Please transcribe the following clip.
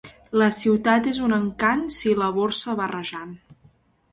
La ciutat és un encant si la borsa va rajant.